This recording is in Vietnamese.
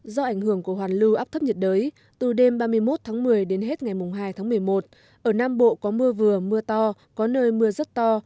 do ảnh hưởng của hoàn lưu áp thấp nhiệt đới từ đêm ba mươi một tháng một mươi đến hết ngày hai tháng một mươi một ở nam bộ có mưa vừa mưa to có nơi mưa rất to